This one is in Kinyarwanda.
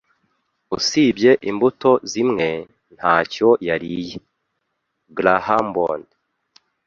Usibye imbuto zimwe, ntacyo yariye. grahambond